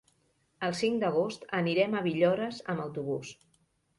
El cinc d'agost anirem a Villores amb autobús.